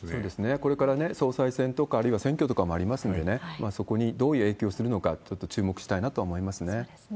これから総裁選とか、あるいは選挙とかもありますのでね、そこにどういう影響するのか、ちょっと注目したいなと思いますね。